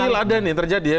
ini rilada nih terjadi ya